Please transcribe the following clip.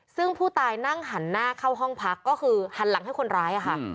ซึ่งผู้ตายนั่งหันหน้าเข้าห้องพักก็คือหันหลังให้คนร้ายค่ะ